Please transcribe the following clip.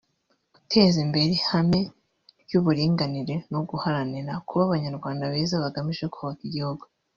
guteza imbere ihame ry’uburinganire no guharanira kuba Abanyarwanda beza bagamije kubaka igihugu